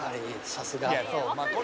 さすが。